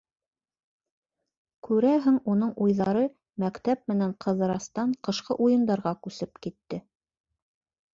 Күрәһең, уның уйҙары мәктәп менән Ҡыҙырастан ҡышҡы уйындарға күсеп китте.